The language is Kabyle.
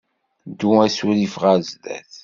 Ddu asurif ɣer sdat.